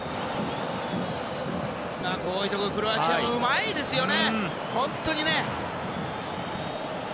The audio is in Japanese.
こういうところクロアチアもうまいですよね。